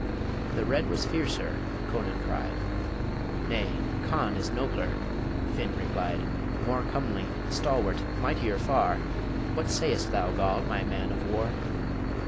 "The Red was fiercer," Conan cried "Nay, Conn is nobler," Finn replied, "More comely, stalwart, mightier far What sayest thou, Goll, my man of war?"